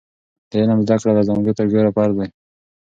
د علم زده کړه له زانګو تر ګوره فرض دی.